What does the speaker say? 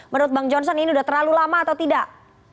menurut bang johnson ini sudah terlalu lama atau tidak